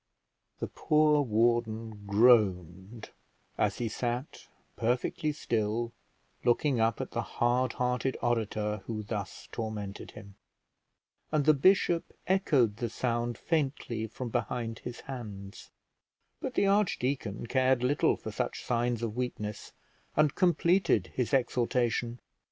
The poor warden groaned as he sat perfectly still, looking up at the hard hearted orator who thus tormented him, and the bishop echoed the sound faintly from behind his hands; but the archdeacon cared little for such signs of weakness, and completed his exhortation.